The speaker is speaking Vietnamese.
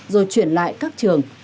rồi chuyển lại các trường